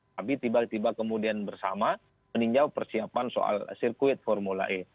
tapi tiba tiba kemudian bersama meninjau persiapan soal sirkuit formula e